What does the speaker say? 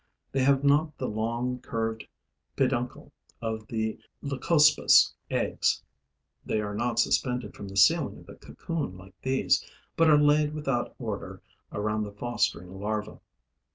They have not the long, curved peduncle of the Leucospis' eggs; they are not suspended from the ceiling of the cocoon like these, but are laid without order around the fostering larva.